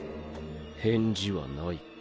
返事はないか。